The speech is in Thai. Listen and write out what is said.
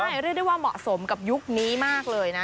ใช่เรียกได้ว่าเหมาะสมกับยุคนี้มากเลยนะ